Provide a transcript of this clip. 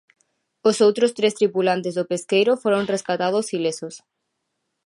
Os outros tres tripulantes do pesqueiro foron recatados ilesos.